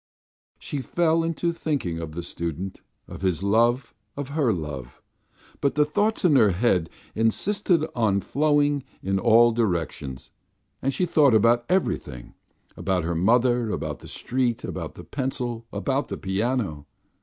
She fell to thinking of the student, of his love, of her love; but the thoughts in her head insisted on flowing in all directions, and she thought about everything about her mother, about the street, about the pencil, about the piano....